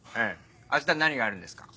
明日何があるんですか？